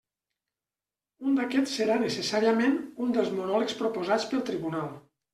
Un d'aquests serà necessàriament un dels monòlegs proposats pel tribunal.